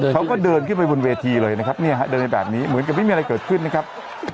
เขาก็เดินขึ้นไปบนเวทีเลยนะครับเนี่ยฮะเดินไปแบบนี้เหมือนกับไม่มีอะไรเกิดขึ้นนะครับ